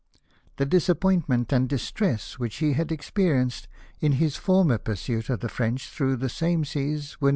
The disappointment and distress which he had experienced in his former pursuit of the French through the same seas were WAE WITH SPAiy.